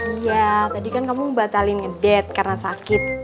iya tadi kan kamu batalin ngedet karena sakit